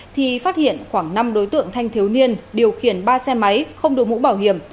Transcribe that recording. thì phát hiện khoảng năm đối tượng thanh thiếu niên điều khiển ba xe máy không đổi mũ bảo hiểm